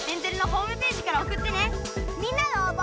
みんなのおうぼ！